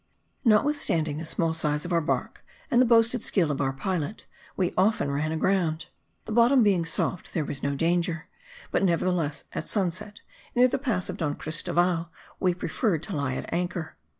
Notwithstanding the small size of our bark and the boasted skill of our pilot, we often ran aground. The bottom being soft, there was no danger; but, nevertheless, at sunset, near the pass of Don Cristoval, we preferred to lie at anchor.